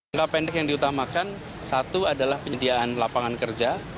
jangka pendek yang diutamakan satu adalah penyediaan lapangan kerja